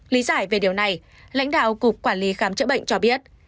lý giải về điều này lãnh đạo cục quản lý khám chữa bệnh cho biết